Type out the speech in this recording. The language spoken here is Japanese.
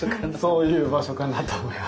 そういう場所かなと思います。